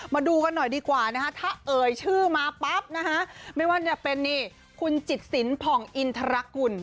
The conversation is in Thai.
มาดูกันหน่อยดีกว่านะคะถ้าเอ่ยชื่อมาปั๊บนะฮะไม่ว่าจะเป็นนี่คุณจิตสินผ่องอินทรกุล